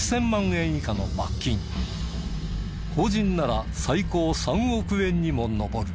法人なら最高３億円にも上る。